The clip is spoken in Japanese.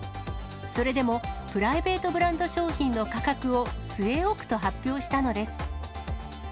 それでもプライベートブランド商品の価格を据え置くと発表したのです。